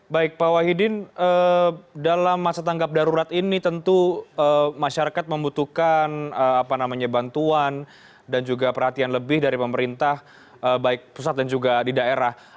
baik pak wahidin dalam masa tanggap darurat ini tentu masyarakat membutuhkan bantuan dan juga perhatian lebih dari pemerintah baik pusat dan juga di daerah